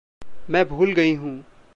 मैं भूल गयी हूँ।